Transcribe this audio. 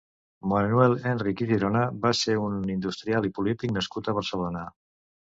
Manuel Henrich i Girona va ser un industrial i polític nascut a Barcelona.